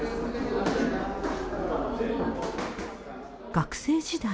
学生時代